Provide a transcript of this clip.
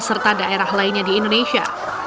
serta daerah lainnya di indonesia